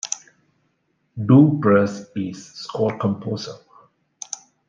Du Prez is score composer.